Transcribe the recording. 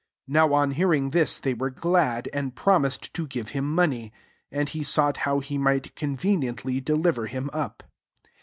11 Now on hearing this, they were glad,? and promised to give him money .^ And ke sought how he mi^t ccmveBl* ently deliver him up.